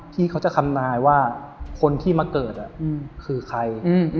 ที่เขาจะทำนายว่าคนที่มาเกิดคือใคร